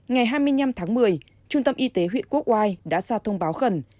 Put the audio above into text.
ngày hai mươi năm tháng một mươi trung tâm y tế huyện quốc oai đã ra thông báo khẩn